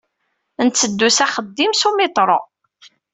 Ntteddu s axeddim s umiṭru.